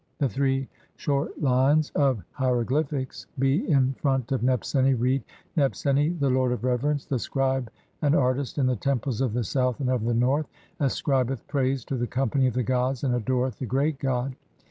The three short lines of hiero glyphics (B) in front of Nebseni read :— "Nebseni, the lord of reverence, "the scribe and artist in the temples of the South and of the North, "ascribeth praise to the company of the gods and adoreth the great god."